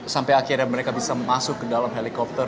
sampai akhirnya mereka bisa masuk ke dalam helikopter